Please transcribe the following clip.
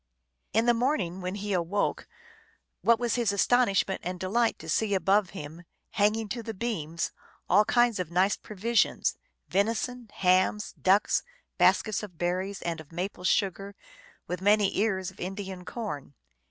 In the morning, when he awoke, what was his aston ishment and delight to see above him, hanging to the beams, all kinds of nice provisions, venison, hams, ducks, baskets of berries and of maple sugar, with many ears of Indian corn.